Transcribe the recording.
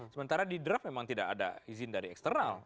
sementara di draft memang tidak ada izin dari eksternal